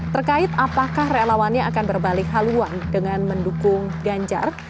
terkait apakah relawannya akan berbalik haluan dengan mendukung ganjar